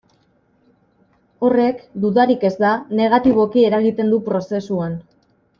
Horrek, dudarik ez da, negatiboki eragiten du prozesuan.